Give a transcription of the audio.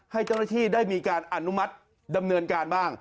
ให้เจ้าหน้าที่ได้มีการอนุมัติดำเนินการบ้าง